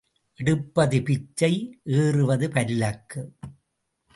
எடுப்பது பிச்சை ஏறுவது பல்லக்கு.